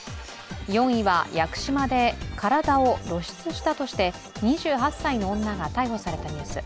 ４位は屋久島で体を露出したとして２８歳の女が逮捕されたニュース。